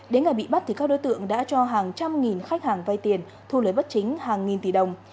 đến ngày bị bắt các đối tượng đã cho hàng trăm nghìn khách hàng vay tiền thu lấy bất chính hàng nghìn tỷ đồng